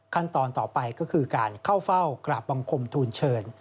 ขั้นตอนต่อไปก็คือการเข้าเฝ้ากราบบังคมทูลเชิญ